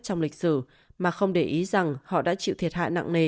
trong lịch sử mà không để ý rằng họ đã chịu thiệt hại nặng nề